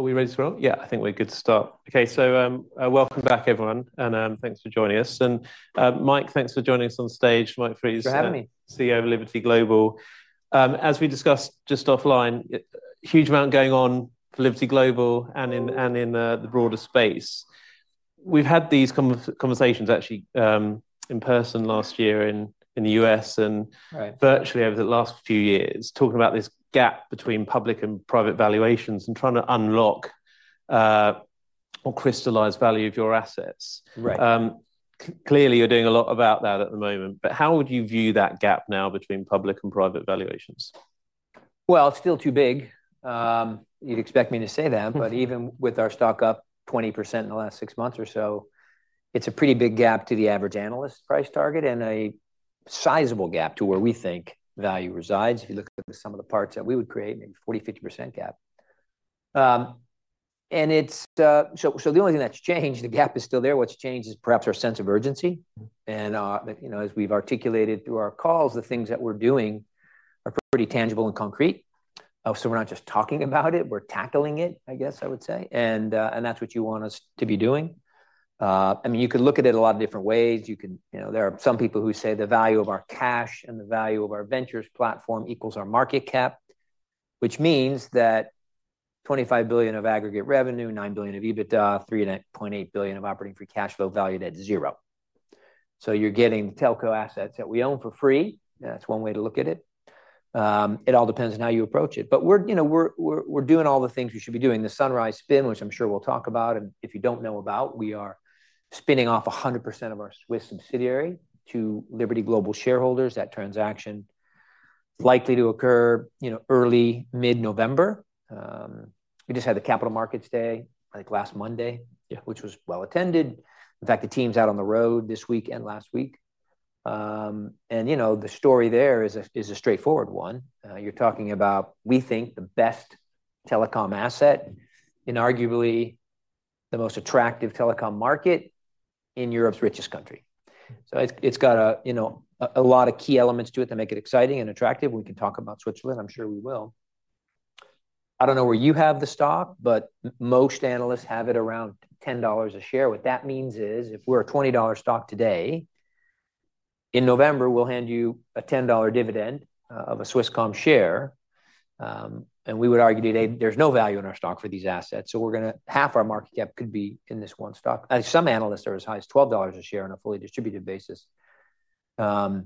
Are we ready to roll? Yeah, I think we're good to start. Okay, so, welcome back, everyone, and, thanks for joining us. And, Mike, thanks for joining us on stage. Mike Fries- Thanks for having me. CEO of Liberty Global. As we discussed just offline, huge amount going on for Liberty Global and in the broader space. We've had these conversations actually, in person last year in the U.S. and- Right... virtually over the last few years, talking about this gap between public and private valuations and trying to unlock or crystallize value of your assets. Right. Clearly, you're doing a lot about that at the moment, but how would you view that gap now between public and private valuations? It's still too big. You'd expect me to say that, but even with our stock up 20% in the last six months or so, it's a pretty big gap to the average analyst price target, and a sizable gap to where we think value resides. If you look at the sum of the parts that we would create, maybe 40% to 50% gap. And it's, so the only thing that's changed, the gap is still there. What's changed is perhaps our sense of urgency, and you know, as we've articulated through our calls, the things that we're doing are pretty tangible and concrete. So we're not just talking about it, we're tackling it, I guess I would say, and that's what you want us to be doing. I mean, you could look at it a lot of different ways. You know, there are some people who say the value of our cash and the value of our ventures platform equals our market cap, which means that $25 billion of aggregate revenue, $9 billion of EBITDA, $3.8 billion of operating free cash flow valued at zero. So you're getting the telco assets that we own for free. That's one way to look at it. It all depends on how you approach it, but we're, you know, doing all the things we should be doing. The Sunrise spin, which I'm sure we'll talk about, and if you don't know about, we are spinning off 100% of our Swiss subsidiary to Liberty Global shareholders. That transaction is likely to occur, you know, early, mid-November. We just had the Capital Markets Day, I think, last Monday. Yeah Which was well attended. In fact, the team's out on the road this week and last week. You know, the story there is a straightforward one. You're talking about, we think, the best telecom asset in arguably the most attractive telecom market in Europe's richest country. So it's got a you know, a lot of key elements to it that make it exciting and attractive. We can talk about Switzerland. I'm sure we will. I don't know where you have the stock, but most analysts have it around $10 a share. What that means is, if we're a 20-dollar stock today, in November, we'll hand you a $10 dividend of a Swisscom share. And we would argue today there's no value in our stock for these assets, so half our market cap could be in this one stock. Some analysts are as high as $12 a share on a fully distributed basis. So,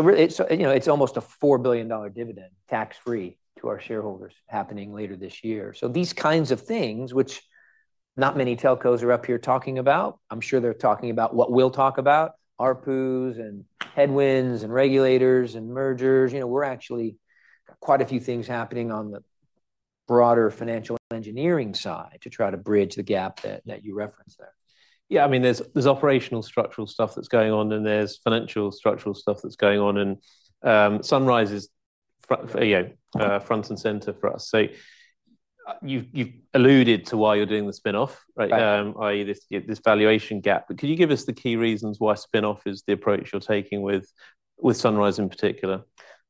you know, it's almost a $4 billion dividend, tax-free, to our shareholders happening later this year. So these kinds of things, which not many telcos are up here talking about. I'm sure they're talking about what we'll talk about, ARPUs and headwinds, and regulators, and mergers. You know, we're actually quite a few things happening on the broader financial engineering side to try to bridge the gap that you referenced there. Yeah, I mean, there's operational structural stuff that's going on, and there's financial structural stuff that's going on, and Sunrise is front and center for us. So, you've alluded to why you're doing the spin-off, right? Right. i.e., this valuation gap. But could you give us the key reasons why spin-off is the approach you're taking with Sunrise in particular?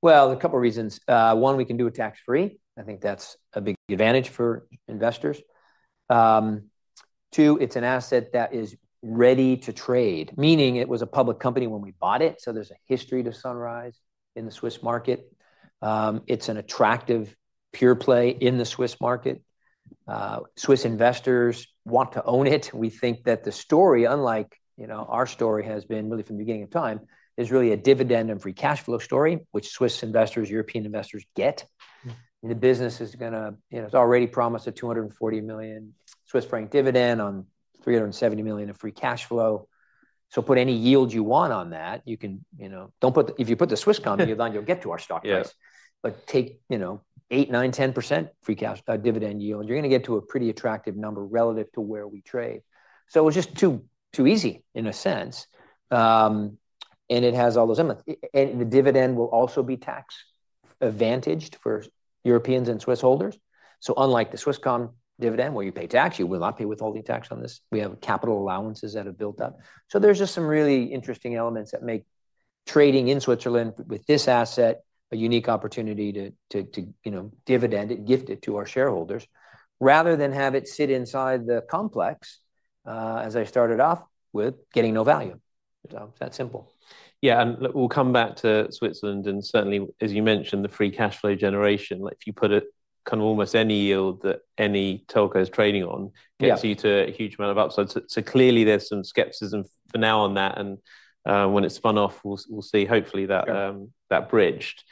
A couple reasons. One, we can do it tax-free. I think that's a big advantage for investors. Two, it's an asset that is ready to trade, meaning it was a public company when we bought it, so there's a history to Sunrise in the Swiss market. It's an attractive pure play in the Swiss market. Swiss investors want to own it. We think that the story, unlike, you know, our story, has been really from the beginning of time, is really a dividend and free cash flow story, which Swiss investors, European investors get. Mm. The business is gonna, you know, it's already promised a 240 million Swiss franc dividend on 370 million of free cash flow. So put any yield you want on that. You can, you know... Don't put- If you put the Swisscom, then you'll get to our stock price. Yeah. But take, you know, 8% to 10% free cash dividend yield, you're gonna get to a pretty attractive number relative to where we trade. So it's just too easy in a sense. And it has all those elements. And the dividend will also be tax-advantaged for Europeans and Swiss holders. So unlike the Swisscom dividend, where you pay tax, you will not pay withholding tax on this. We have capital allowances that have built up. So there's just some really interesting elements that make trading in Switzerland with this asset a unique opportunity to, you know, dividend it, gift it to our shareholders, rather than have it sit inside the complex, as I started off with, getting no value. So it's that simple. Yeah, and we'll come back to Switzerland, and certainly, as you mentioned, the Free Cash Flow generation, like if you put it, kind of almost any yield that any telco is trading on- Yeah... gets you to a huge amount of upside. So, so clearly there's some skepticism for now on that, and, when it's spun off, we'll see, hopefully, that-... that bridged.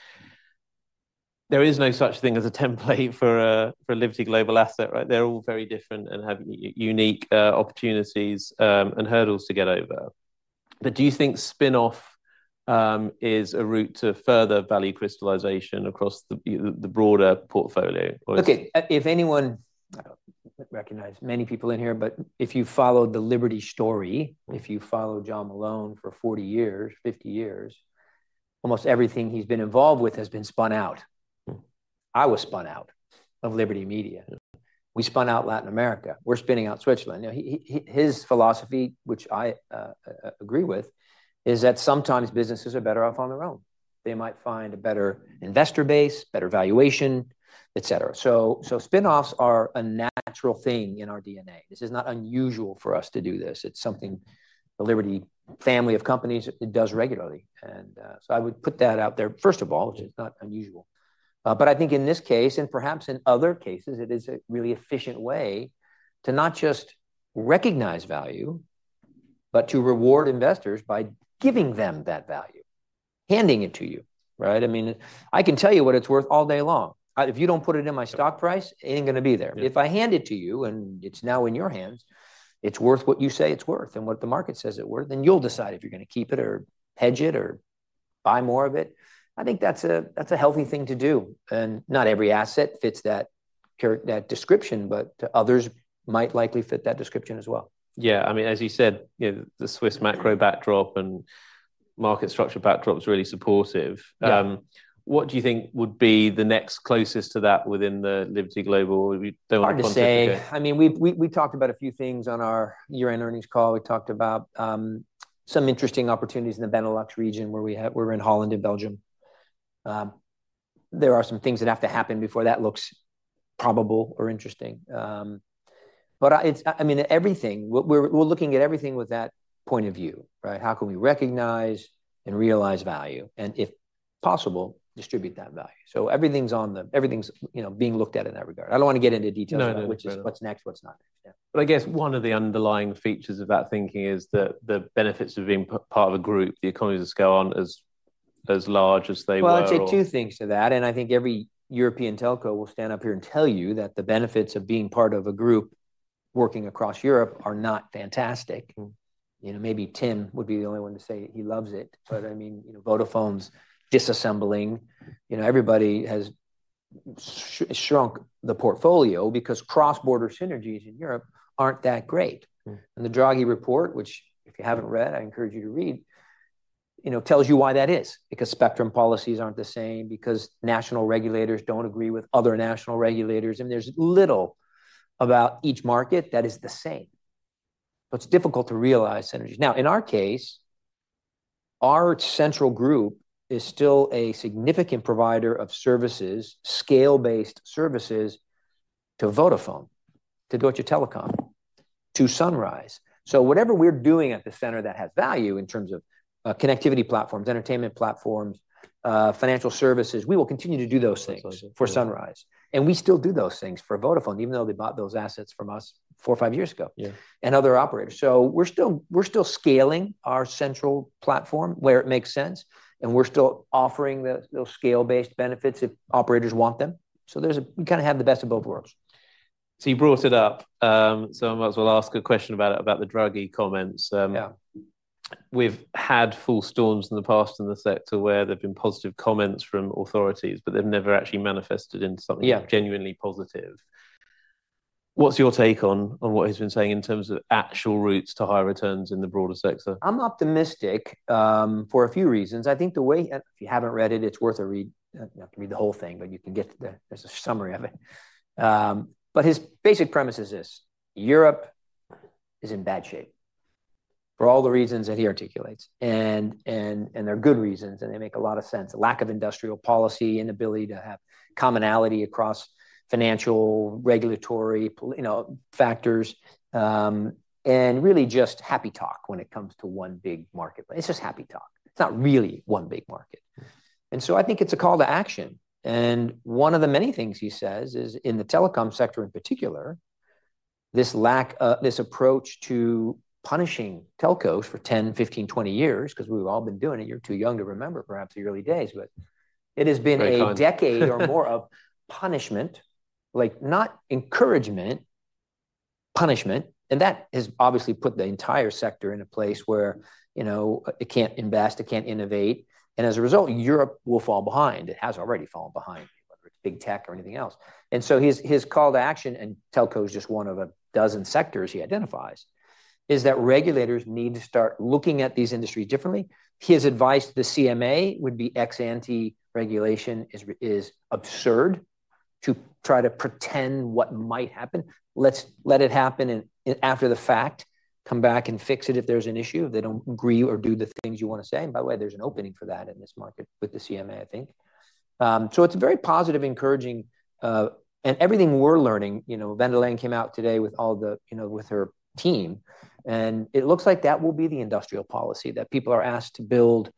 There is no such thing as a template for a Liberty Global asset, right? They're all very different and have unique opportunities and hurdles to get over. But do you think spin-off is a route to further value crystallization across the broader portfolio? Or- Okay, if anyone... I don't recognize many people in here, but if you followed the Liberty story, if you followed John Malone for 40 years, 50 years, almost everything he's been involved with has been spun out. I was spun out of Liberty Media. We spun out Latin America, we're spinning out Switzerland. Now, his philosophy, which I agree with, is that sometimes businesses are better off on their own. They might find a better investor base, better valuation, et cetera. So, spin-offs are a natural thing in our DNA. This is not unusual for us to do this. It's something the Liberty family of companies, it does regularly, and so I would put that out there, first of all, it's not unusual. But I think in this case, and perhaps in other cases, it is a really efficient way to not just recognize value, but to reward investors by giving them that value, handing it to you, right? I mean, I can tell you what it's worth all day long. If you don't put it in my stock price, it ain't gonna be there. Yeah. If I hand it to you, and it's now in your hands, it's worth what you say it's worth, and what the market says it's worth, then you'll decide if you're gonna keep it or hedge it, or buy more of it. I think that's a healthy thing to do, and not every asset fits that description, but others might likely fit that description as well. Yeah, I mean, as you said, you know, the Swiss macro backdrop and market structure backdrop is really supportive. Yeah. What do you think would be the next closest to that within the Liberty Global, if you don't mind to- Hard to say. I mean, we've talked about a few things on our year-end earnings call. We talked about some interesting opportunities in the Benelux region, where we're in Holland and Belgium. There are some things that have to happen before that looks probable or interesting. But it's... I mean, everything, we're looking at everything with that point of view, right? How can we recognize and realize value, and if possible, distribute that value. So everything's on the- everything's, you know, being looked at in that regard. I don't want to get into details- No, no, no.... about which is, what's next, what's not next. Yeah. But I guess one of the underlying features of that thinking is that the benefits of being part of a group, the economies of scale aren't as large as they were, or- I'd say two things to that, and I think every European telco will stand up here and tell you that the benefits of being part of a group working across Europe are not fantastic. You know, maybe Tim would be the only one to say he loves it. But I mean, you know, Vodafone's disassembling. You know, everybody has shrunk the portfolio because cross-border synergies in Europe aren't that great. Mm. And the Draghi report, which if you haven't read, I encourage you to read, you know, tells you why that is. Because spectrum policies aren't the same, because national regulators don't agree with other national regulators, and there's little about each market that is the same. So it's difficult to realize synergies. Now, in our case, our central group is still a significant provider of services, scale-based services, to Vodafone, to Deutsche Telekom, to Sunrise. So whatever we're doing at the center that has value in terms of, connectivity platforms, entertainment platforms, financial services, we will continue to do those things- That's right... for Sunrise. And we still do those things for Vodafone, even though they bought those assets from us four or five years ago- Yeah... and other operators. So we're still scaling our central platform where it makes sense, and we're still offering the, those scale-based benefits if operators want them. So there's we kind of have the best of both worlds. So you brought it up, so I might as well ask a question about it, about the Draghi comments. Yeah. We've had false dawns in the past in the sector, where there've been positive comments from authorities, but they've never actually manifested into something- Yeah... genuinely positive. What's your take on, on what he's been saying in terms of actual routes to higher returns in the broader sector? I'm optimistic for a few reasons. If you haven't read it, it's worth a read. You don't have to read the whole thing, but you can get the, there's a summary of it. But his basic premise is this: Europe is in bad shape, for all the reasons that he articulates, and they're good reasons, and they make a lot of sense. The lack of industrial policy, inability to have commonality across financial, regulatory, policy you know, factors, and really just happy talk when it comes to one big market. It's just happy talk. It's not really one big market. Mm. And so I think it's a call to action, and one of the many things he says is, in the telecom sector in particular, this lack of- this approach to punishing telcos for ten, fifteen, twenty years, because we've all been doing it. You're too young to remember, perhaps, the early days, but- Very kind.... it has been a decade or more of punishment, like, not encouragement, punishment, and that has obviously put the entire sector in a place where, you know, it can't invest, it can't innovate, and as a result, Europe will fall behind. It has already fallen behind, whether it's big tech or anything else. And so his, his call to action, and telco is just one of a dozen sectors he identifies, is that regulators need to start looking at these industries differently. His advice to the CMA would be ex ante regulation is, is absurd, to try to pretend what might happen. Let's let it happen, and, and after the fact, come back and fix it if there's an issue, if they don't agree or do the things you want to say. And by the way, there's an opening for that in this market with the CMA, I think. So it's very positive, encouraging. And everything we're learning, you know, von der Leyen came out today with all the, you know, with her team, and it looks like that will be the industrial policy that people are asked to build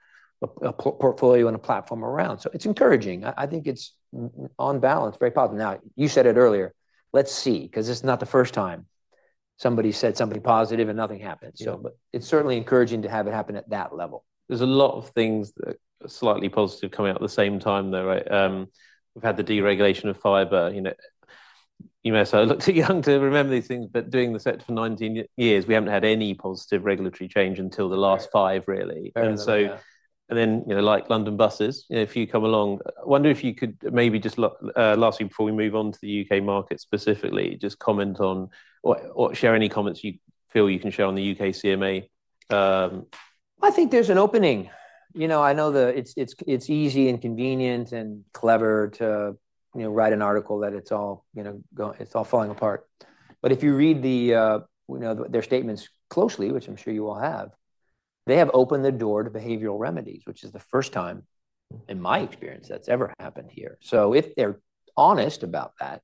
a portfolio and a platform around. It's encouraging. I think it's, on balance, very positive. Now, you said it earlier, let's see, because this is not the first time somebody said something positive and nothing happened. Yeah. But it's certainly encouraging to have it happen at that level. There's a lot of things that are slightly positive coming out at the same time, though, right? We've had the deregulation of fiber, you know. You may, sort of look too young to remember these things, but doing the sector for nineteen years, we haven't had any positive regulatory change until the last five- Right... really. Fair enough, yeah. And so, and then, you know, like London buses, a few come along. I wonder if you could maybe just lastly before we move on to the UK market specifically, just comment on or, or share any comments you feel you can share on the UK CMA?... I think there's an opening. You know, I know it's easy, and convenient, and clever to, you know, write an article that it's all falling apart. But if you read the, you know, their statements closely, which I'm sure you all have, they have opened the door to behavioral remedies, which is the first time, in my experience, that's ever happened here. So if they're honest about that.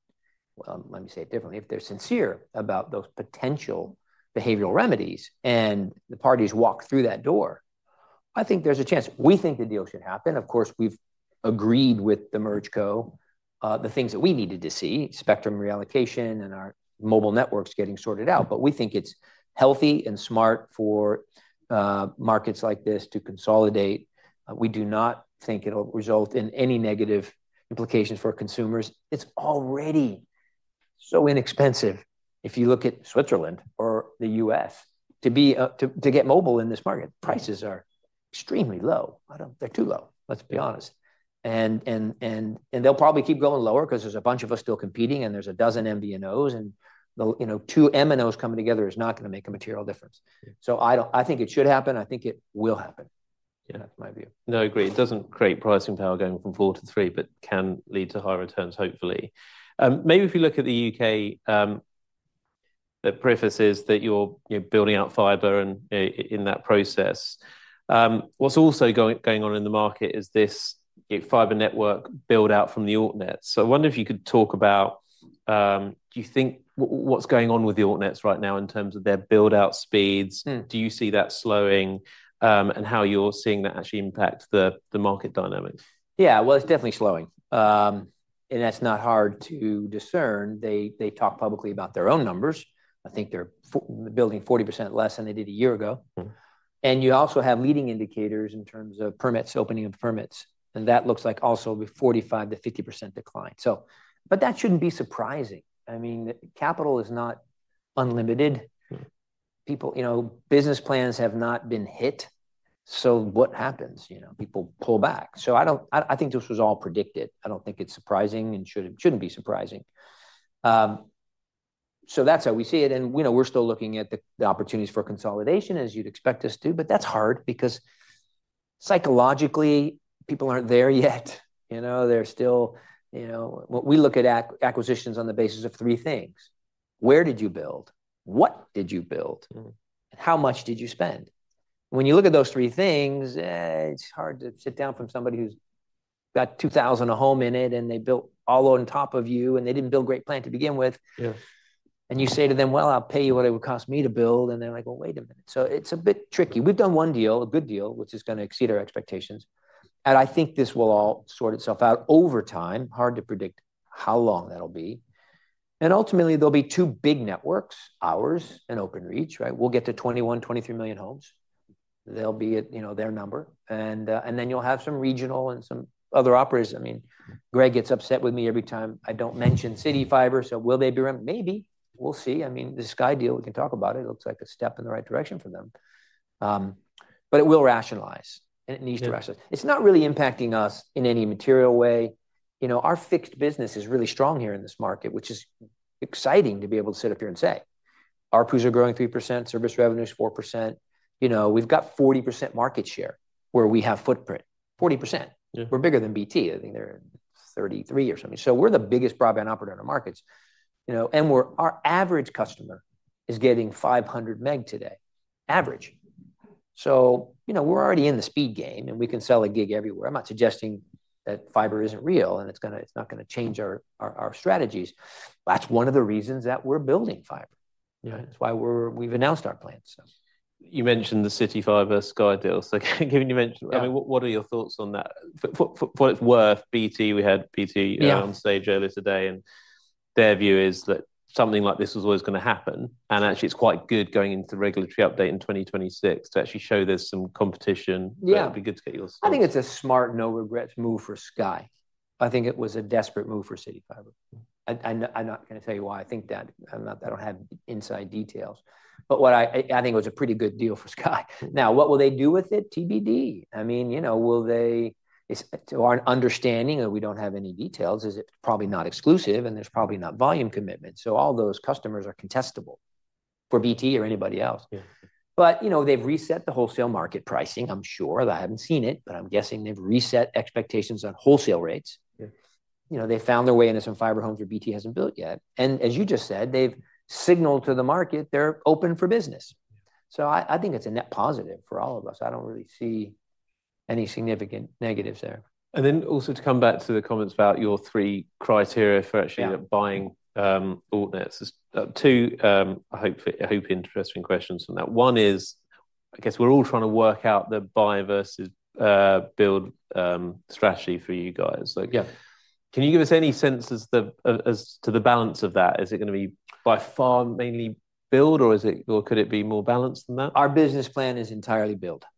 Well, let me say it differently. If they're sincere about those potential behavioral remedies, and the parties walk through that door, I think there's a chance. We think the deal should happen. Of course, we've agreed with the MergerCo, the things that we needed to see: spectrum reallocation and our mobile networks getting sorted out. But we think it's healthy and smart for markets like this to consolidate. We do not think it'll result in any negative implications for consumers. It's already so inexpensive. If you look at Switzerland or the U.S., to be to get mobile in this market, prices are extremely low. I don't. They're too low, let's be honest. And they'll probably keep going lower 'cause there's a bunch of us still competing, and there's a dozen MVNOs, and the you know, two MNOs coming together is not gonna make a material difference. Yeah. I think it should happen. I think it will happen. You know, that's my view. No, I agree. It doesn't create pricing power going from four to three, but can lead to higher returns, hopefully. Maybe if you look at the UK, the preface is that you're building out fiber and, in that process. What's also going on in the market is this fiber network build-out from the altnets. So I wonder if you could talk about what's going on with the altnets right now in terms of their build-out speeds? Mm. Do you see that slowing, and how you're seeing that actually impact the market dynamics. Yeah, well, it's definitely slowing. And that's not hard to discern. They talk publicly about their own numbers. I think they're building 40% less than they did a year ago. Mm. You also have leading indicators in terms of permits, opening of permits, and that looks like also a 45%-50% decline. But that shouldn't be surprising. I mean, capital is not unlimited. Mm. People, you know, business plans have not been hit, so what happens? You know, people pull back. So I think this was all predicted. I don't think it's surprising and shouldn't be surprising. So that's how we see it, and, you know, we're still looking at the opportunities for consolidation, as you'd expect us to, but that's hard because psychologically, people aren't there yet. You know, they're still... You know, we look at acquisitions on the basis of three things: Where did you build? What did you build? Mm. How much did you spend? When you look at those three things, it's hard to sit down from somebody who's got two thousand a home in it, and they built all on top of you, and they didn't build a great plan to begin with. Yeah. You say to them: "Well, I'll pay you what it would cost me to build." And they're like: "Well, wait a minute." So it's a bit tricky. We've done one deal, a good deal, which is gonna exceed our expectations, and I think this will all sort itself out over time. Hard to predict how long that'll be. And ultimately, there'll be two big networks, ours and Openreach, right? We'll get to 21 to 23 million homes. They'll be at, you know, their number. And, and then you'll have some regional and some other operators. I mean, Greg gets upset with me every time I don't mention CityFibre, so will they be around? Maybe. We'll see. I mean, the Sky deal, we can talk about it. It looks like a step in the right direction for them. But it will rationalize, and it needs to rationalize. Yeah. It's not really impacting us in any material way. You know, our fixed business is really strong here in this market, which is exciting to be able to sit up here and say. Our ARPUs are growing 3%, service revenue is 4%. You know, we've got 40% market share where we have footprint. 40%. Yeah. We're bigger than BT. I think they're 33 or something. So we're the biggest broadband operator in the markets, you know, and our average customer is getting 500 Mbps today. Average. So, you know, we're already in the speed game, and we can sell a gig everywhere. I'm not suggesting that fiber isn't real, and it's not gonna change our strategies. That's one of the reasons that we're building fiber. Yeah. It's why we've announced our plans, so. You mentioned the CityFibre-Sky deal, so given you mentioned- Yeah. I mean, what are your thoughts on that? For what it's worth, BT, we had BT. Yeah... on stage earlier today, and their view is that something like this was always gonna happen, and actually it's quite good going into the regulatory update in 2026 to actually show there's some competition. Yeah. It'd be good to get your thoughts. I think it's a smart, no-regrets move for Sky. I think it was a desperate move for CityFibre, and I'm not gonna tell you why I think that. I'm not. I don't have inside details. But I think it was a pretty good deal for Sky. Now, what will they do with it? TBD. I mean, you know, will they. It's to our understanding, and we don't have any details, is it's probably not exclusive, and there's probably not volume commitment, so all those customers are contestable for BT or anybody else. Yeah. But, you know, they've reset the wholesale market pricing. I'm sure, I haven't seen it, but I'm guessing they've reset expectations on wholesale rates. Yeah. You know, they found their way into some fiber homes where BT hasn't built yet, and as you just said, they've signaled to the market they're open for business. Yeah. So I think it's a net positive for all of us. I don't really see any significant negatives there. And then also, to come back to the comments about your three criteria for actually- Yeah buying altnets, there's two hopefully interesting questions from that. One is, I guess we're all trying to work out the buy versus build strategy for you guys. So- Yeah. Can you give us any sense as to the balance of that? Is it gonna be by far mainly build, or is it, or could it be more balanced than that? Our business plan is entirely built. Yeah.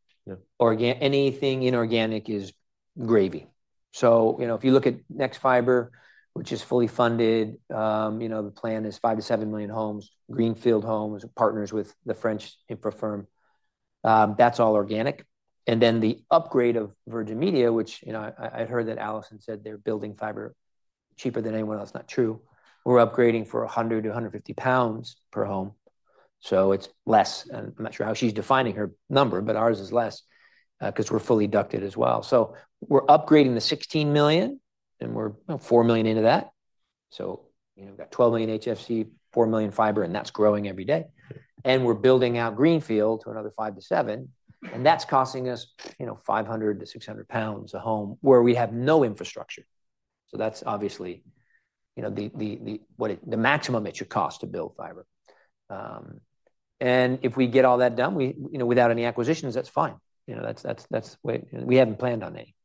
Or again, anything inorganic is gravy. So, you know, if you look at Nexfibre, which is fully funded, you know, the plan is 5 to 7 million homes, greenfield homes, partners with the French infra firm. That's all organic. And then the upgrade of Virgin Media, which, you know, I heard that Allison said they're building fiber cheaper than anyone else, not true. We're upgrading for 100 to 150 per home, so it's less. And I'm not sure how she's defining her number, but ours is less, because we're fully ducted as well. So we're upgrading the 16 million, and we're, you know, 4 million into that. So, you know, we've got 12 million HFC, 4 million fiber, and that's growing every day. We're building out greenfield to another five to seven, and that's costing us, you know, 500 to 600 a home where we have no infrastructure. So that's obviously, you know, the maximum it should cost to build fiber. If we get all that done, we, you know, without any acquisitions, that's fine. You know, that's the way. We haven't planned on any.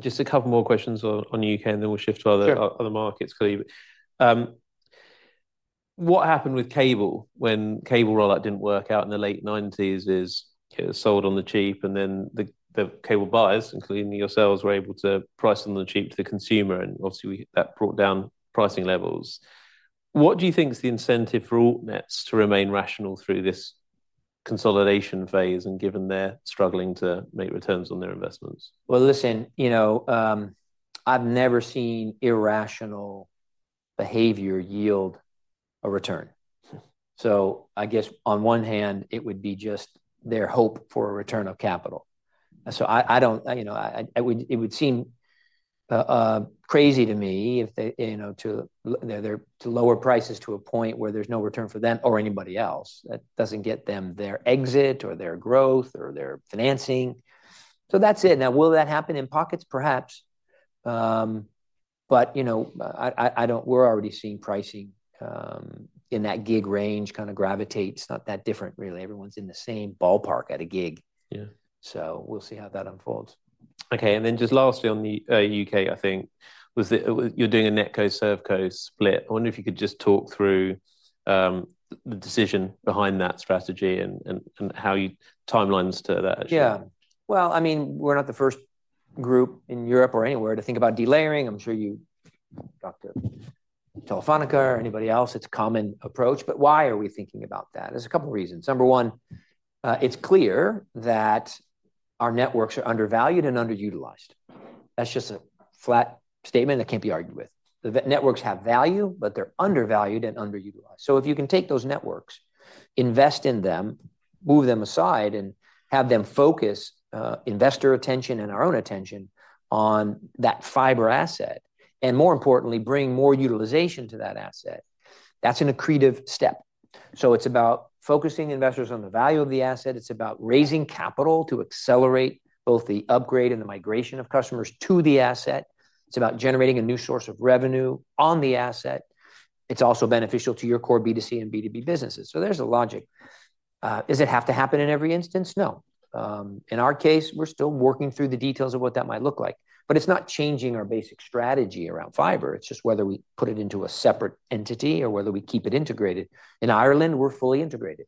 Just a couple more questions on the UK, and then we'll shift to other- Sure... other markets. What happened with cable when cable rollout didn't work out in the late 1990s is it was sold on the cheap, and then the cable buyers, including yourselves, were able to price on the cheap to the consumer, and obviously, we, that brought down pricing levels. What do you think is the incentive for altnets to remain rational through this consolidation phase and given they're struggling to make returns on their investments? Listen, you know, I've never seen irrational behavior yield a return. Hmm. So I guess on one hand, it would be just their hope for a return of capital. You know, it would seem crazy to me if they lower prices to a point where there's no return for them or anybody else. That doesn't get them their exit or their growth or their financing. So that's it. Now, will that happen in pockets? Perhaps. But you know, we're already seeing pricing in that gig range kind of gravitate. It's not that different, really. Everyone's in the same ballpark at a gig. Yeah. So we'll see how that unfolds. Okay, and then just lastly, on the UK, I think you're doing a NetCo/ServCo split. I wonder if you could just talk through the decision behind that strategy and how you timelines to that actually. Yeah. Well, I mean, we're not the first group in Europe or anywhere to think about delayering. I'm sure you talked to Telefónica or anybody else. It's a common approach, but why are we thinking about that? There's a couple reasons. Number one, it's clear that our networks are undervalued and underutilized. That's just a flat statement that can't be argued with. The networks have value, but they're undervalued and underutilized. So if you can take those networks, invest in them, move them aside, and have them focus investor attention and our own attention on that fiber asset, and more importantly, bring more utilization to that asset, that's an accretive step. So it's about focusing investors on the value of the asset. It's about raising capital to accelerate both the upgrade and the migration of customers to the asset. It's about generating a new source of revenue on the asset. It's also beneficial to your core B2C and B2B businesses, so there's a logic. Does it have to happen in every instance? No. In our case, we're still working through the details of what that might look like, but it's not changing our basic strategy around fiber. It's just whether we put it into a separate entity or whether we keep it integrated. In Ireland, we're fully integrated.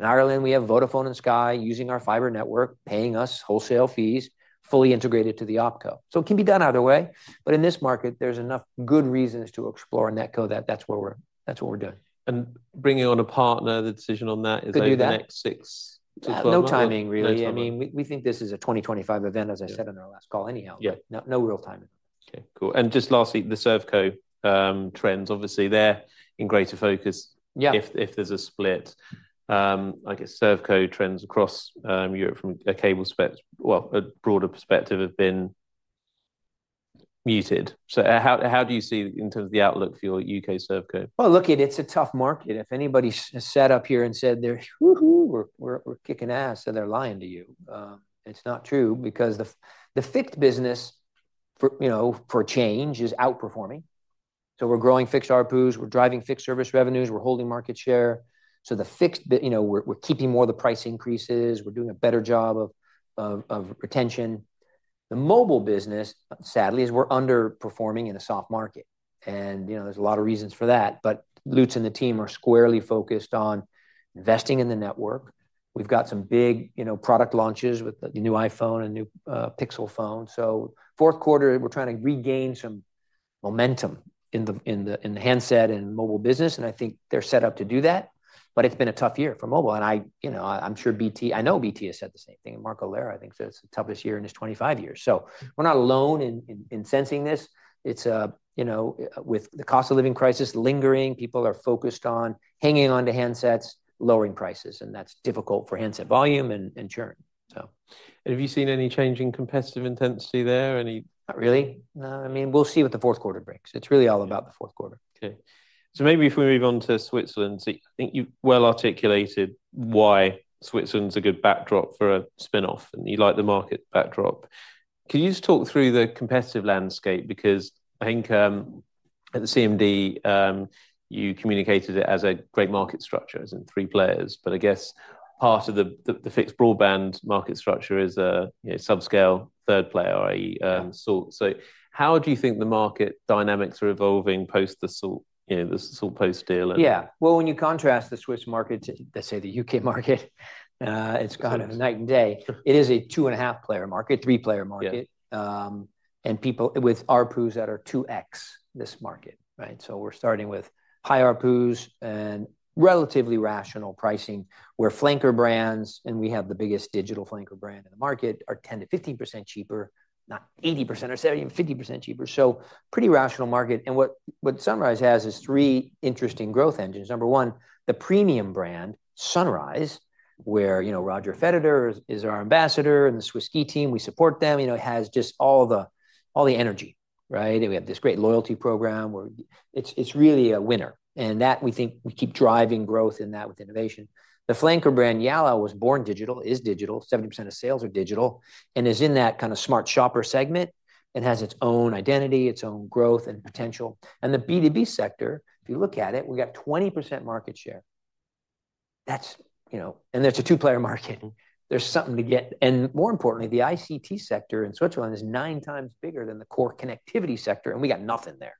In Ireland, we have Vodafone and Sky using our fiber network, paying us wholesale fees, fully integrated to the OpCo. So it can be done either way, but in this market, there's enough good reasons to explore a NetCo that that's where we're, that's what we're doing. And bringing on a partner, the decision on that is- Could do that.... like six to twelve? No timing, really. No timing. I mean, we think this is a 2025 event, as I said on our last call anyhow. Yeah. No, no real timing. Okay, cool. And just lastly, the ServCo trends, obviously, they're in greater focus- Yeah... if there's a split. I guess ServCo trends across Europe from a cable perspective, well, a broader perspective, have been muted. So how do you see in terms of the outlook for your UK ServCo? Look, it's a tough market. If anybody's sat up here and said they're, "Woo-hoo, we're kicking ass," then they're lying to you. It's not true, because the fixed business for, you know, for change, is outperforming. So we're growing fixed ARPUs, we're driving fixed service revenues, we're holding market share. So the fixed bit, you know, we're keeping more of the price increases, we're doing a better job of retention. The mobile business, sadly, is we're underperforming in a soft market. And, you know, there's a lot of reasons for that, but Lutz and the team are squarely focused on investing in the network. We've got some big, you know, product launches with the new iPhone and new Pixel phone. So fourth quarter, we're trying to regain some momentum in the handset and mobile business, and I think they're set up to do that. But it's been a tough year for mobile, and I, you know, I'm sure BT. I know BT has said the same thing. And Marc Allera, I think, said it's the toughest year in his twenty-five years. So we're not alone in sensing this. It's, you know, with the cost of living crisis lingering, people are focused on hanging on to handsets, lowering prices, and that's difficult for handset volume and churn, so. And have you seen any change in competitive intensity there? Not really. No, I mean, we'll see what the fourth quarter brings. It's really all about the fourth quarter. Okay. So maybe if we move on to Switzerland. I think you've well articulated why Switzerland's a good backdrop for a spin-off, and you like the market backdrop. Can you just talk through the competitive landscape? Because I think at the CMD you communicated it as a great market structure, as in three players. But I guess part of the fixed broadband market structure is a subscale third player, a Salt. So how do you think the market dynamics are evolving post the Salt, you know, the Salt post deal and- Yeah, well, when you contrast the Swiss market to, let's say, the UK market, it's kind of night and day. It is a two-and-a-half player market, three-player market. Yeah. And people with ARPUs that are two X this market, right? So we're starting with high ARPUs and relatively rational pricing, where flanker brands, and we have the biggest digital flanker brand in the market, are 10% to 15% cheaper, not 80% or 75% cheaper. So pretty rational market, and what Sunrise has is three interesting growth engines. Number 1, the premium brand, Sunrise, where you know, Roger Federer is our ambassador, and the Swiss ski team, we support them. You know, it has just all the energy, right? And we have this great loyalty program, where it's really a winner, and that we think will keep driving growth in that with innovation. The flanker brand, Yallo, was born digital, is digital, 70% of sales are digital, and is in that kind of smart shopper segment. It has its own identity, its own growth, and potential. And the B2B sector, if you look at it, we've got 20% market share. That's, you know, and it's a two-player market. There's something to get, and more importantly, the ICT sector in Switzerland is nine times bigger than the core connectivity sector, and we got nothing there,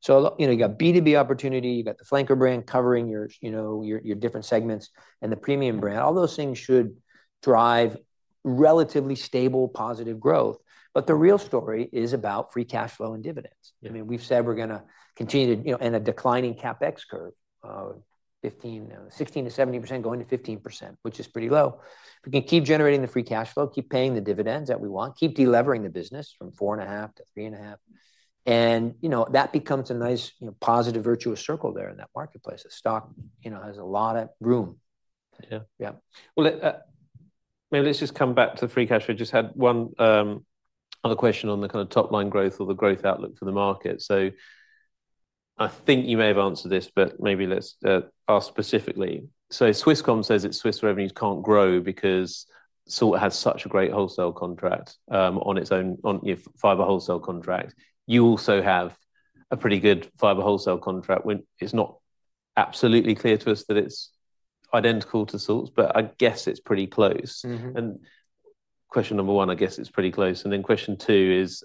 so look, you know, you got B2B opportunity, you got the flanker brand covering your, you know, your different segments and the premium brand. All those things should drive relatively stable, positive growth, but the real story is about free cash flow and dividends. Yeah. I mean, we've said we're gonna continue to, you know, in a declining CapEx curve, 15%, 16% to 17%, going to 15%, which is pretty low. We can keep generating the free cash flow, keep paying the dividends that we want, keep de-levering the business from four and a half to three and a half, and, you know, that becomes a nice, you know, positive, virtuous circle there in that marketplace. The stock, you know, has a lot of room. Yeah. Yeah. Maybe let's just come back to the free cash. We just had one other question on the kind of top-line growth or the growth outlook for the market. So I think you may have answered this, but maybe let's ask specifically. So Swisscom says its Swiss revenues can't grow because Salt has such a great wholesale contract on its own, on your fiber wholesale contract. You also have a pretty good fiber wholesale contract. It's not absolutely clear to us that it's identical to Salt's, but I'd guess it's pretty close. Mm-hmm. And question number one, I guess it's pretty close, and then question two is,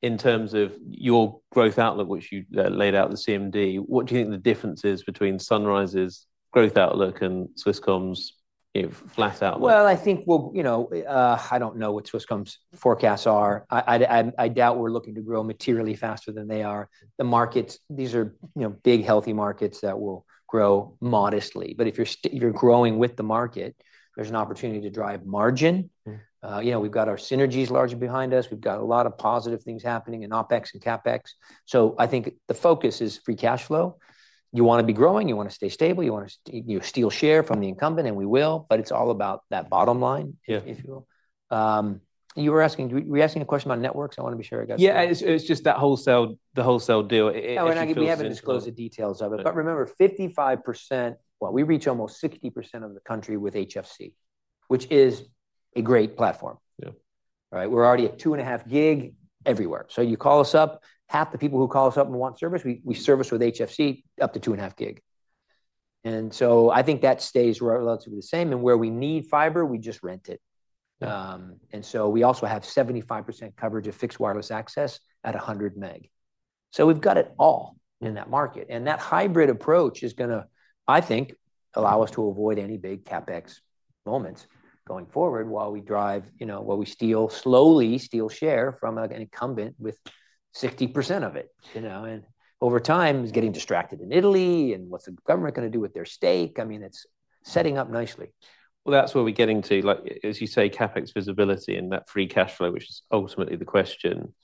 in terms of your growth outlook, which you laid out in the CMD, what do you think the difference is between Sunrise's growth outlook and Swisscom's flat outlook? I think, you know, I don't know what Swisscom's forecasts are. I doubt we're looking to grow materially faster than they are. The markets, these are, you know, big, healthy markets that will grow modestly, but if you're growing with the market, there's an opportunity to drive margin. Mm. You know, we've got our synergies largely behind us. We've got a lot of positive things happening in OpEx and CapEx. So I think the focus is free cash flow. You wanna be growing, you wanna stay stable, you wanna steal share from the incumbent, and we will, but it's all about that bottom line. Yeah... if you will. You were asking a question about networks? I wanna be sure I got- Yeah, it's just that wholesale, the wholesale deal. It feels- Well, we haven't disclosed the details of it- Yeah... but remember, 55%, well, we reach almost 60% of the country with HFC, which is a great platform. Yeah. Right? We're already at two and a half gig everywhere. So you call us up, half the people who call us up and want service, we, we service with HFC up to two and a half gig. And so I think that stays relatively the same, and where we need fiber, we just rent it. Yeah. And so we also have 75% coverage of fixed wireless access at 100 Mbps. So we've got it all in that market, and that hybrid approach is gonna, I think, allow us to avoid any big CapEx moments going forward while we drive, you know, while we slowly steal share from an incumbent with 60% of it, you know? And over time, it's getting distracted in Italy, and what's the government gonna do with their stake? I mean, it's setting up nicely. That's where we're getting to. Like, as you say, CapEx visibility and that free cash flow, which is ultimately the question.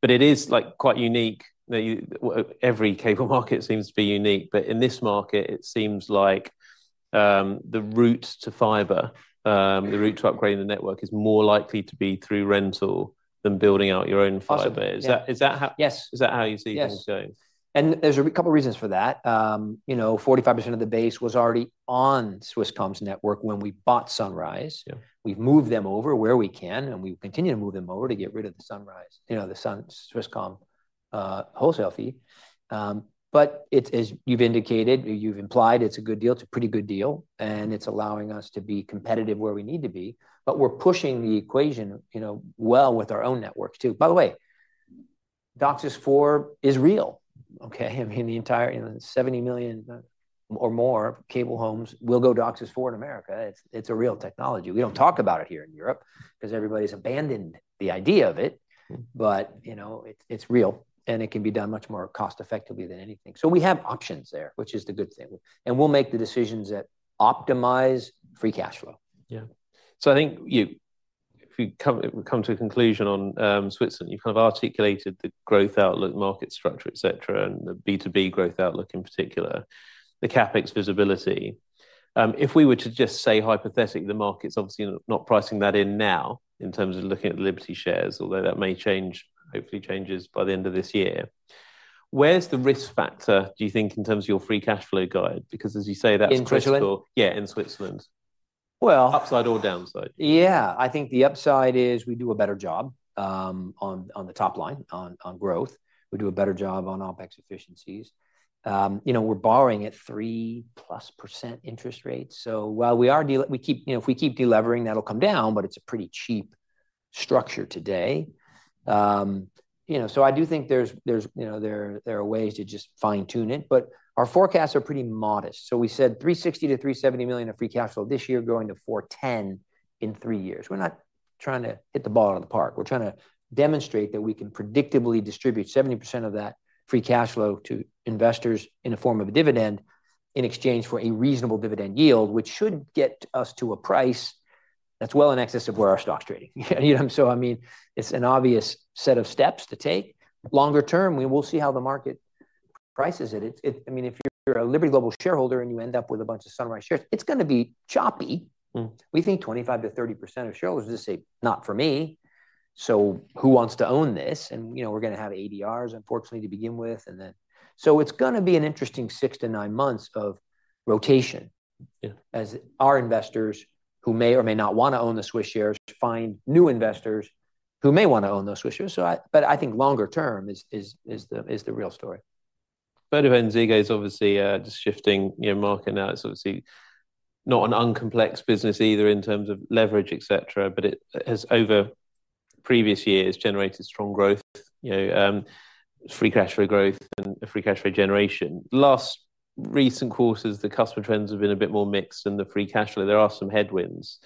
But it is, like, quite unique. Every cable market seems to be unique, but in this market, it seems like, the route to fiber, the route to upgrading the network is more likely to be through rental than building out your own fiber. Awesome. Yeah. Is that how- Yes. Is that how you see things going? Yes, and there's a couple reasons for that. You know, 45% of the base was already on Swisscom's network when we bought Sunrise. Yeah. We've moved them over where we can, and we continue to move them over to get rid of the Sunrise, you know, the Sun-Swisscom wholesale fee. But as you've indicated, you've implied it's a good deal. It's a pretty good deal, and it's allowing us to be competitive where we need to be, but we're pushing the equation, you know, well with our own network, too. By the way, DOCSIS 4 is real, okay? I mean, the entire, you know, 70 million or more cable homes will go DOCSIS 4 in America. It's a real technology. We don't talk about it here in Europe, because everybody's abandoned the idea of it. Mm... but, you know, it's real, and it can be done much more cost-effectively than anything. So we have options there, which is the good thing, and we'll make the decisions that optimize Free Cash Flow. Yeah. So I think if we come to a conclusion on Switzerland, you've kind of articulated the growth outlook, market structure, et cetera, and the B2B growth outlook in particular, the CapEx visibility. If we were to just say, hypothetically, the market's obviously not pricing that in now, in terms of looking at Liberty shares, although that may change, hopefully changes by the end of this year. Where's the risk factor, do you think, in terms of your free cash flow guide? Because as you say, that's critical. In Switzerland? Yeah, in Switzerland. Well- Upside or downside. Yeah, I think the upside is we do a better job on the top line, on growth. We do a better job on OpEx efficiencies. You know, we're borrowing at 3%+ interest rates, so while we are de-levering. You know, if we keep de-levering, that'll come down, but it's a pretty cheap structure today. You know, so I do think there's, you know, there are ways to just fine-tune it, but our forecasts are pretty modest. So we said $360 to 370 million of free cash flow this year, growing to $410 million in three years. We're not trying to hit the ball out of the park. We're trying to demonstrate that we can predictably distribute 70% of that free cash flow to investors in the form of a dividend, in exchange for a reasonable dividend yield, which should get us to a price that's well in excess of where our stock's trading. You know, so I mean, it's an obvious set of steps to take. Longer term, we will see how the market prices it. It. I mean, if you're a Liberty Global shareholder, and you end up with a bunch of Sunrise shares, it's gonna be choppy. Mm. We think 25% to 30% of shareholders will just say, "Not for me." So who wants to own this? And, you know, we're gonna have ADRs, unfortunately, to begin with, and then... So it's gonna be an interesting six to nine months of rotation- Yeah... as our investors, who may or may not wanna own the Swiss shares, find new investors who may wanna own those Swiss shares. So, but I think longer term is the real story. VodafoneZiggo is obviously just shifting, you know, market now. It's obviously not an un-complex business either, in terms of leverage, et cetera, but it has, over previous years, generated strong growth. You know, Free Cash Flow growth and Free Cash Flow generation. Last recent quarters, the customer trends have been a bit more mixed than the Free Cash Flow. There are some headwinds.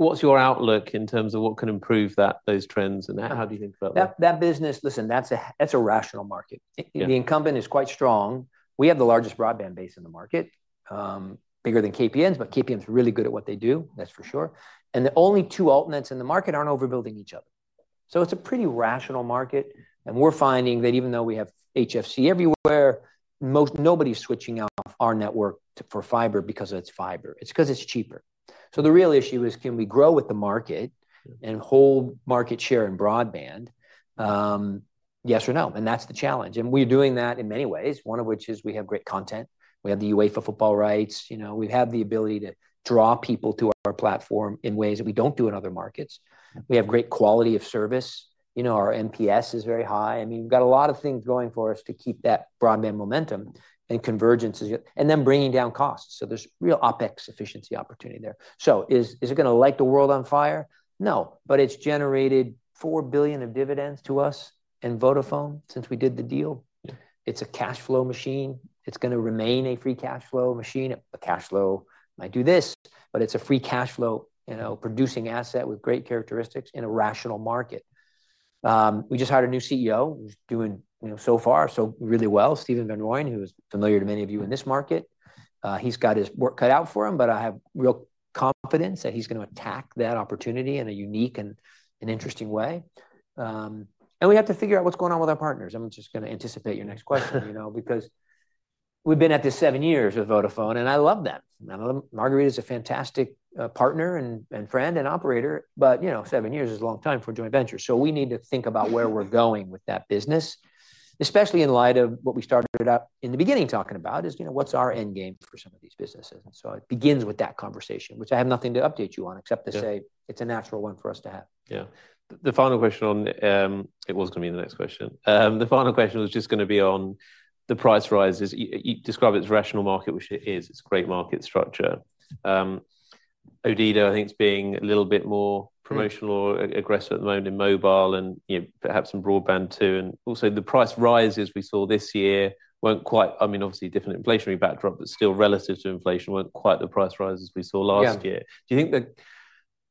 What's your outlook in terms of what can improve that, those trends, and how do you think about that? That business, listen, that's a rational market. Yeah. The incumbent is quite strong. We have the largest broadband base in the market, bigger than KPN's, but KPN's are really good at what they do, that's for sure, and the only two altnets in the market aren't overbuilding each other. So it's a pretty rational market, and we're finding that even though we have HFC everywhere, nobody's switching off our network to for fiber because it's fiber, it's because it's cheaper. So the real issue is, can we grow with the market? Sure... and hold market share in broadband? Yes or no, and that's the challenge, and we're doing that in many ways, one of which is we have great content. We have the UEFA football rights. You know, we have the ability to draw people to our platform in ways that we don't do in other markets. Mm. We have great quality of service. You know, our NPS is very high. I mean, we've got a lot of things going for us to keep that broadband momentum and convergence, and then bringing down costs, so there's real OpEx efficiency opportunity there. So is it gonna light the world on fire? No, but it's generated four billion of dividends to us and Vodafone since we did the deal. Yeah. It's a cash flow machine. It's gonna remain a free cash flow machine. The cash flow might do this, but it's a free cash flow, you know, producing asset with great characteristics in a rational market. We just hired a new CEO, who's doing, you know, so far so good, Stephen van Rooyen, who is familiar to many of you in this market. He's got his work cut out for him, but I have real confidence that he's gonna attack that opportunity in a unique and an interesting way. And we have to figure out what's going on with our partners. I'm just gonna anticipate your next question, you know, because we've been at this seven years with Vodafone, and I love them. I know them. Margherita is a fantastic partner, and friend, and operator, but, you know, seven years is a long time for a joint venture. So we need to think about where we're going with that business, especially in light of what we started out in the beginning talking about is: You know, what's our end game for some of these businesses? And so it begins with that conversation, which I have nothing to update you on, except to say- Yeah... it's a natural one for us to have. Yeah. The final question on... It was gonna be the next question. The final question was just gonna be on the price rises. You describe it as a rational market, which it is. It's a great market structure. Odido, I think it's being a little bit more- Yeah ... promotional or aggressive at the moment in mobile and, you know, perhaps in broadband too, and also the price rises we saw this year weren't quite - I mean, obviously a different inflationary backdrop, but still, relative to inflation, weren't quite the price rises we saw last year. Yeah. Do you think that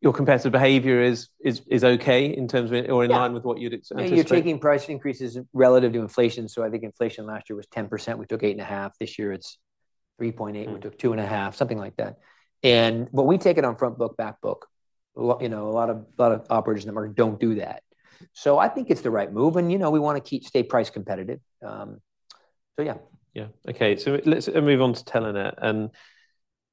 your competitive behavior is okay in terms of- Yeah... or in line with what you'd anticipated? You're taking price increases relative to inflation, so I think inflation last year was 10%. We took 8.5%. This year, it's 3.8%. Mm. We took two and a half, something like that, and. But we take it on front book, back book. You know, a lot of operators in the market don't do that. So I think it's the right move, and, you know, we wanna keep, stay price competitive. So yeah. Yeah. Okay, so let's move on to Telenet, and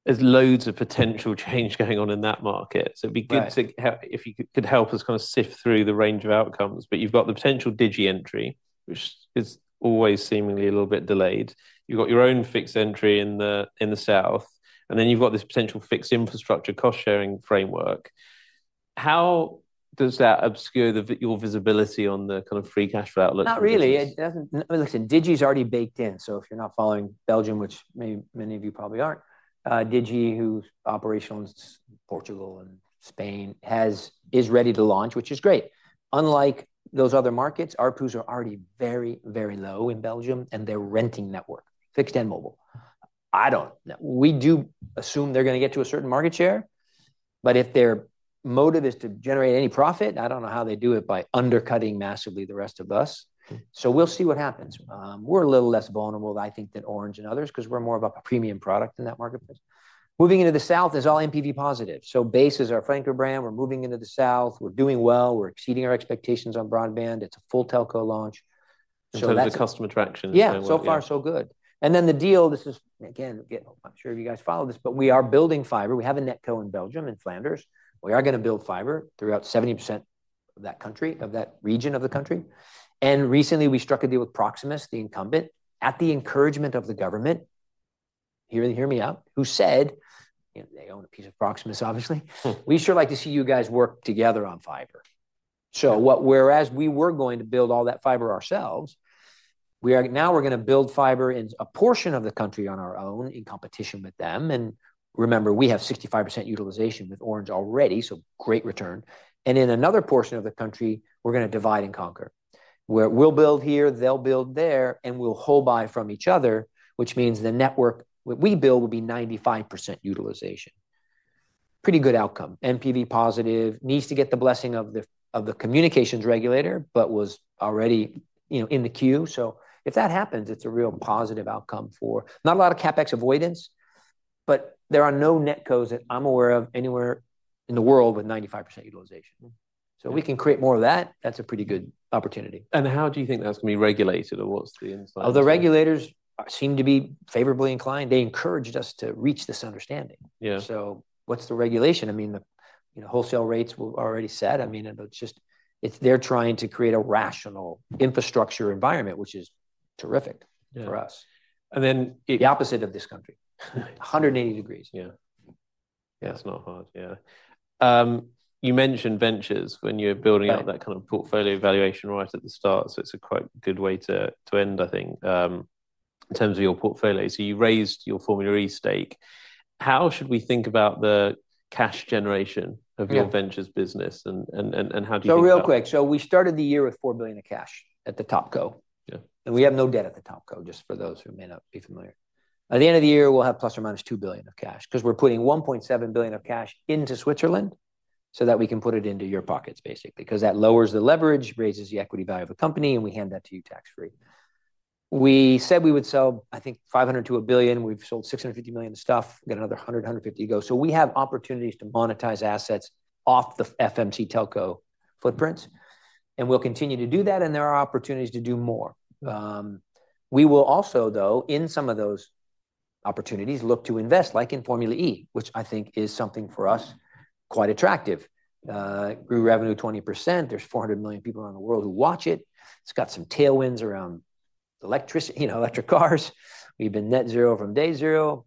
there's loads of potential change going on in that market- Right... so it'd be good to if you could help us kind of sift through the range of outcomes, but you've got the potential Digi entry, which is always seemingly a little bit delayed. You've got your own fixed entry in the south, and then you've got this potential fixed infrastructure cost-sharing framework. How does that obscure your visibility on the kind of free cash flow outlook? Not really, it doesn't. Listen, Digi's already baked in, so if you're not following Belgium, which many of you probably aren't, Digi, which is operational in Portugal and Spain, is ready to launch, which is great. Unlike those other markets, ARPU's are already very, very low in Belgium, and they're renting network, fixed and mobile. Now, we do assume they're gonna get to a certain market share, but if their motive is to generate any profit, I don't know how they do it by undercutting massively the rest of us. So we'll see what happens. We're a little less vulnerable, I think, than Orange and others, 'cause we're more of a premium product in that marketplace. Moving into the south is all NPS positive, so Base is our Franco brand. We're moving into the south. We're doing well. We're exceeding our expectations on broadband. It's a full telco launch, so that's- In terms of customer traction- Yeah... so far, so good. Then the deal, this is, again, I'm not sure if you guys follow this, but we are building fiber. We have a NetCo in Belgium, in Flanders. We are gonna build fiber throughout 70% of that country, of that region of the country, and recently we struck a deal with Proximus, the incumbent, at the encouragement of the government, hear me out, who said, you know, "They own a piece of Proximus, obviously. We'd sure like to see you guys work together on fiber. Yeah. Whereas we were going to build all that fiber ourselves, now we're gonna build fiber in a portion of the country on our own, in competition with them, and remember, we have 65% utilization with Orange already, great return. In another portion of the country, we're going to divide and conquer, where we'll build here, they'll build there, and we'll wholesale from each other, which means the network, what we build, will be 95% utilization. Pretty good outcome. NPV positive, needs to get the blessing of the communications regulator, but was already, you know, in the queue. If that happens, it's a real positive outcome, not a lot of CapEx avoidance, but there are no netcos that I'm aware of anywhere in the world with 95% utilization. We can create more of that. That's a pretty good opportunity. How do you think that's going to be regulated, or what's the insight? Oh, the regulators seem to be favorably inclined. They encouraged us to reach this understanding. Yeah. So what's the regulation? I mean, the, you know, wholesale rates were already set. I mean, and it's just they're trying to create a rational infrastructure environment, which is terrific. Yeah... for us. And then- The opposite of this country. Hundred and eighty degrees. Yeah. Yeah, it's not hard. Yeah. You mentioned ventures when you're building- Right... out that kind of portfolio valuation right at the start, so it's a quite good way to end, I think. In terms of your portfolio, so you raised your Formula E stake. How should we think about the cash generation- Yeah... of your ventures business, and how do you think- Real quick, we started the year with $4 billion of cash at the TopCo. Yeah. We have no debt at the TopCo, just for those who may not be familiar. By the end of the year, we'll have plus or minus $2 billion of cash, because we're putting $1.7 billion of cash into Switzerland so that we can put it into your pockets, basically, because that lowers the leverage, raises the equity value of the company, and we hand that to you tax-free. We said we would sell, I think, $500 million to 1 billion. We've sold $650 million of stuff, got another $100 to 150 million to go. So we have opportunities to monetize assets off the FMC telco footprints, and we'll continue to do that, and there are opportunities to do more. We will also, though, in some of those opportunities, look to invest, like in Formula E, which I think is something for us quite attractive. It grew revenue 20%. There's 400 million people around the world who watch it. It's got some tailwinds around electricity, you know, electric cars. We've been net zero from day zero.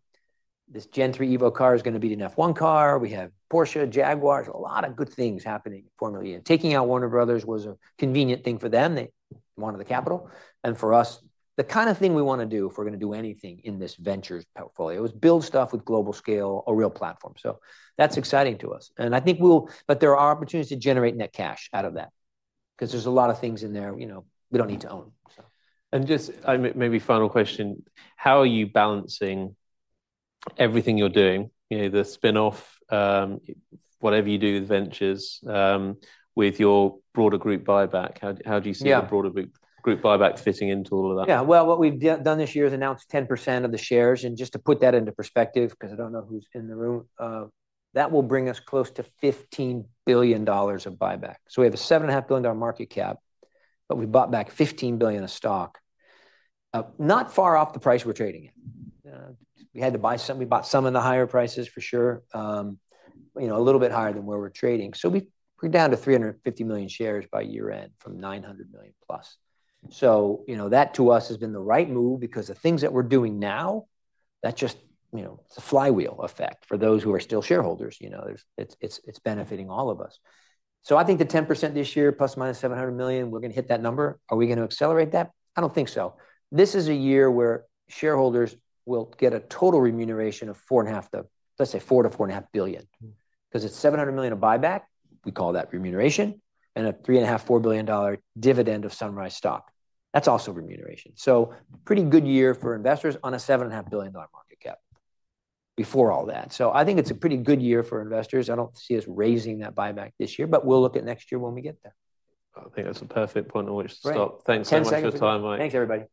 This Gen3 Evo car is going to beat an F1 car. We have Porsche, Jaguars, a lot of good things happening in Formula E. And taking out Warner Bros. was a convenient thing for them. They wanted the capital, and for us, the kind of thing we want to do, if we're going to do anything in this ventures portfolio, is build stuff with global scale, a real platform. So that's exciting to us, and I think we'll. But there are opportunities to generate net cash out of that, because there's a lot of things in there, you know, we don't need to own, so. Just maybe final question: How are you balancing everything you're doing, you know, the spin-off, whatever you do with ventures, with your broader group buyback? How do you see- Yeah... the broader group, group buyback fitting into all of that? Yeah, well, what we've done this year is announced 10% of the shares. Just to put that into perspective, because I don't know who's in the room, that will bring us close to $15 billion of buyback. We have a $7.5 billion market cap, but we bought back $15 billion of stock, not far off the price we're trading in. We had to buy some we bought some in the higher prices, for sure, you know, a little bit higher than where we're trading. We're down to $350 million shares by year-end from $900 million plus. You know, that to us has been the right move, because the things that we're doing now, that's just, you know, it's a flywheel effect for those who are still shareholders. You know, it's benefiting all of us. I think the 10% this year, plus or minus $700 million, we're going to hit that number. Are we going to accelerate that? I don't think so. This is a year where shareholders will get a total remuneration of $4 to 4.5 billion. Because it's $700 million of buyback, we call that remuneration, and a $3.5 to 4 billion dividend of Sunrise stock. That's also remuneration. Pretty good year for investors on a $7.5 billion market cap before all that. I think it's a pretty good year for investors. I don't see us raising that buyback this year, but we'll look at next year when we get there. I think that's a perfect point on which to stop. Great. Thanks so much for your time, Mike. Thanks, everybody. Bye.